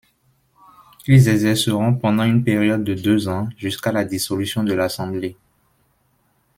Ils exerceront pendant une période de deux ans jusqu'à la dissolution de l'Assemblée.